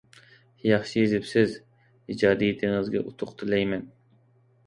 ياخشى يېزىپسىز، ئىجادىيىتىڭىزگە ئۇتۇق تىلەيمەن.